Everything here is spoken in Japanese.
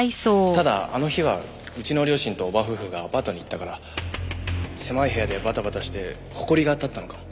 ただあの日はうちの両親と叔母夫婦がアパートに行ったから狭い部屋でバタバタしてホコリが立ったのかも。